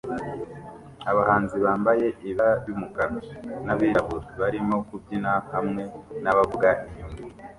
Abahanzi bambaye ibara ry'umukara n'abirabura barimo kubyina hamwe n'abavuga inyuma